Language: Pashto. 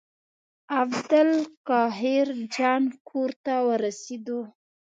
عبدالقاهر جان کور ته ورسېدو.